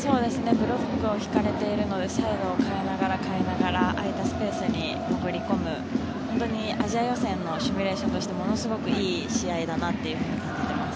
ブロックを敷かれているのでサイドを変えながら空いたスペースに潜り込むアジア予選のシミュレーションとしてものすごくいい試合だなと感じています。